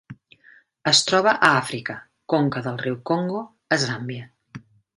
Es troba a Àfrica: conca del riu Congo a Zàmbia.